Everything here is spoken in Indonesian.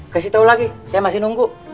kasih tahu lagi saya masih nunggu